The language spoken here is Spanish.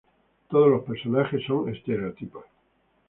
Todos los personajes son estereotipos.